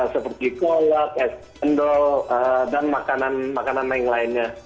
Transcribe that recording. seperti kolak es cendol dan makanan makanan lain lainnya